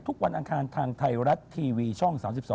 วันอังคารทางไทยรัฐทีวีช่อง๓๒